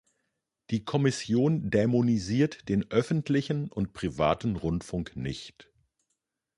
Die Kommission dämonisiert den öffentlichen und privaten Rundfunk nicht.